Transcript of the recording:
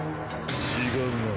違うな。